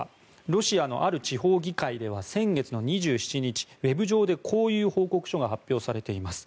ロシアの地方議会では先月２７日ウェブ上でこういう報告書が発表されています。